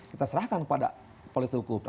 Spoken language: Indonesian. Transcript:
kita serahkan pada politik hukum